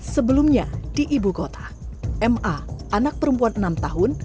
sebelumnya di ibu kota ma anak perempuan enam tahun